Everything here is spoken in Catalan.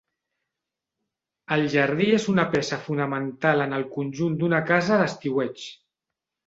El jardí és una peça fonamental en el conjunt d'una casa d'estiueig.